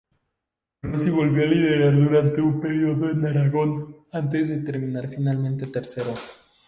Rossi volvió a liderar durante un período en Aragón antes de terminar finalmente tercero.